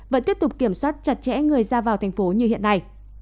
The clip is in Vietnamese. vẫn tiếp tục kiểm soát chặt chẽ người ra vào thành phố như hiện nay